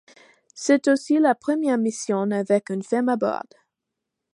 C'est aussi la première mission avec une femme à bord.